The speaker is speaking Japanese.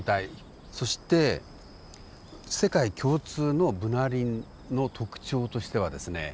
そして世界共通のブナ林の特徴としてはですね